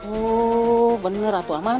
oh bener ratu aman